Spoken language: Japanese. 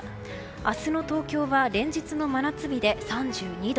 明日の東京は連日の真夏日で３２度。